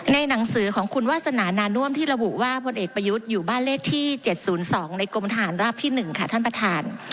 หนังสือของคุณวาสนานาน่วมที่ระบุว่าพลเอกประยุทธ์อยู่บ้านเลขที่๗๐๒ในกรมทหารราบที่๑ค่ะท่านประธาน